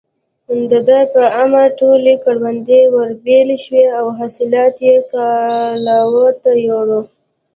د ده په امر ټولې کروندې ورېبل شوې او حاصلات يې کلاوو ته يووړل.